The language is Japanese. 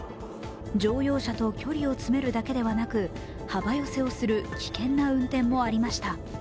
乗用車と距離を詰めるだけでなく幅寄せをする危険な運転もありました。